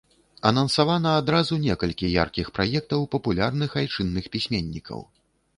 Анансавана адразу некалькі яркіх праектаў папулярных айчынных пісьменнікаў.